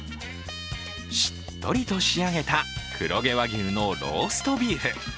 しっとりと仕上げた黒毛和牛のローストビーフ。